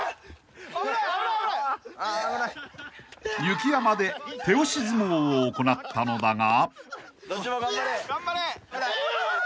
［雪山で手押し相撲を行ったのだが］